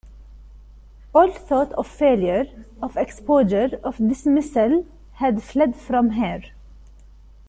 All thought of failure, of exposure, of dismissal had fled from her.